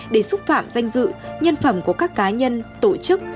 để xúc phạm danh dự nhân phẩm của các cá nhân tổ chức